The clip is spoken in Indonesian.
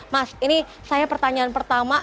mas ini saya pertanyaan pertama